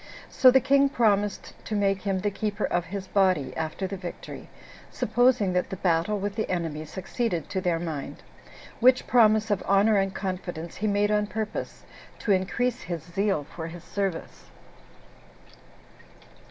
So the king promised to make him the keeper of his body, after the victory, supposing that the battle with the enemy succeeded to their mind; which promise of honor and confidence he made on purpose to increase his zeal for his service.